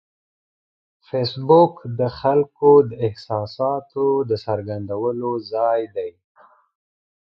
فېسبوک د خلکو د احساساتو د څرګندولو ځای دی